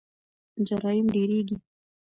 جرایم ډیریږي.